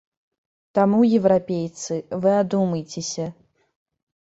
Таму, еўрапейцы, вы адумайцеся!